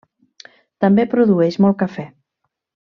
També produeix molt cafè.